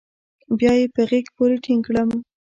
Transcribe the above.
بيا يې په غېږ پورې ټينگ کړم.